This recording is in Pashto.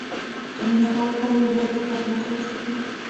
که مینه کول غواړو لومړی باید بښنه کول زده کړو.